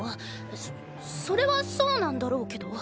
そそれはそうなんだろうけど。